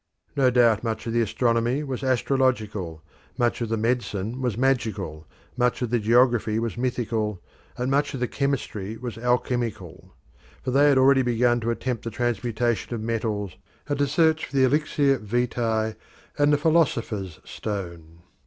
No doubt much of the astronomy was astrological, much of the medicine was magical, much of the geography was mythical, and much of the chemistry was alchemical for they had already begun to attempt the transmutation of metals and to search for the elixir vitae and the philosopher's stone.